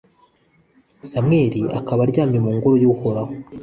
samweli akaba aryamye mu ngoro y'uhoraho